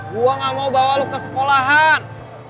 gue gak mau bawa lu ke sekolahan